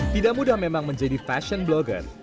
tidak mudah memang menjadi fashion blogger